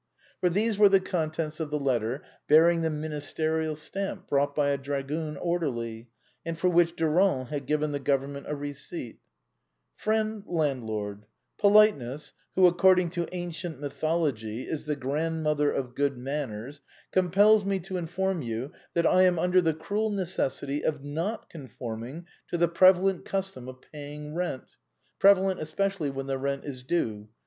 For these were the contents of the letter bearing the ministerial stamp, brought by a dragoon orderly, and for which Durand had given the government a receipt :" Friend landlord : Politeness — who, according to ancient mytholog}', is the grandmother of good manners — compels me to inform you that I am under the cruel necessity of not conforming to the prevalent custom of paying rent — preva lent especially when the rent is due.